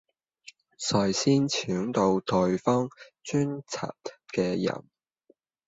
最先搶到對方軍旗嘅贏